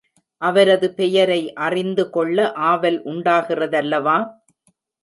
அவரது பெயரை அறிந்து கொள்ள ஆவல் உண்டாகிறதல்லவா?